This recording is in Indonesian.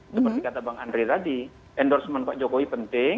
seperti kata bang andre tadi endorsement pak jokowi penting